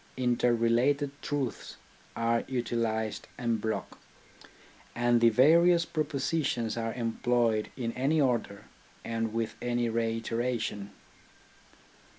Inter related truths are utilised en bloc, and the various propositions are employed in any order, and with any reiteration.